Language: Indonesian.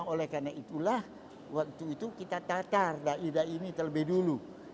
oleh karena itulah waktu itu kita tatar da'i da'i ini terlebih dulu